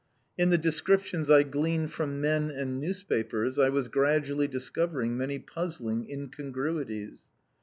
In the descriptions I gleaned from men and newspapers I was gradually discovering many puzzling incongruities.